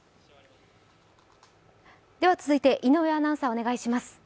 続いて、井上アナウンサー、お願いします。